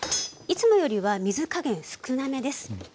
いつもよりは水加減少なめです。